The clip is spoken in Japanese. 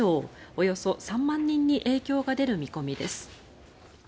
およそ３万人に影響が出る見込みです。